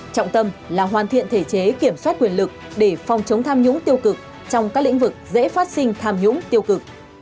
trọng tâm là hoàn thiện thể chế kiểm soát quyền lực để phòng chống tham nhũng tiêu cực